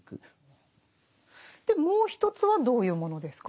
でもう一つはどういうものですか？